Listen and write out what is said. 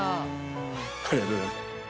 ありがとうございます。